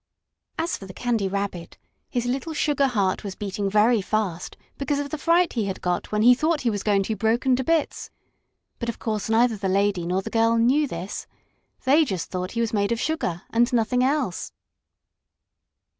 As for the Candy Rabbit, his little sugar heart was beating very fast because of the fright he had got when he thought he was going to be broken to bits. But of course neither the lady nor the girl knew this. They just thought he was made of sugar, and nothing else.